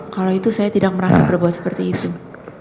kalau itu saya tidak merasa berbuat seperti itu